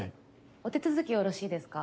お手続きよろしいですか？